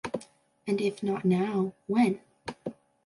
And if not now, when?